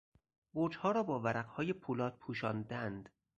برجها را با ورقهای پولاد پوشاندهاند.